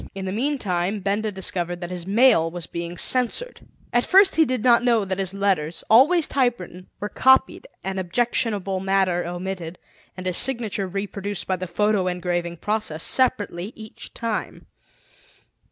In the meantime Benda discovered that his mail was being censored. At first he did not know that his letters, always typewritten, were copied and objectionable matter omitted, and his signature reproduced by the photo engraving process, separately each time.